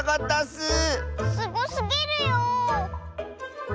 すごすぎるよ。